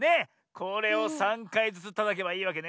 これを３かいずつたたけばいいわけね。